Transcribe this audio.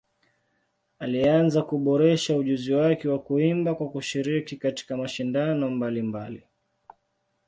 Alianza kuboresha ujuzi wake wa kuimba kwa kushiriki katika mashindano mbalimbali.